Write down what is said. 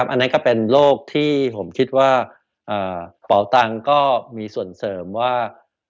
อันนั้นก็เป็นโรคที่ผมคิดว่าเป่าตังก็มีส่วนเสริมว่า